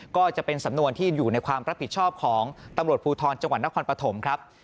ก็จะเป็นสำนวนที่อยู่ในความรับผิดชอบของตำรวจภูทรจังหวัดนครปฐมครับ